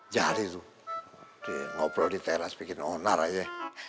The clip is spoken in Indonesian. jadi tuh di ngobrol di teras bikin onar aja